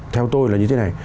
theo tôi là như thế này